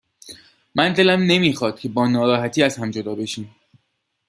من دلم نمیخواد که با ناراحتی از هم جدا بشیم.